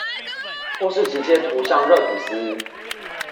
或是直接塗上熱吐司